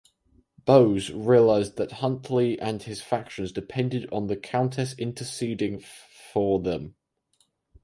Bowes realised that Huntly and his factions depended on the Countess interceding for them.